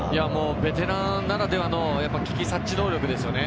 ベテランならではの危機察知能力ですよね。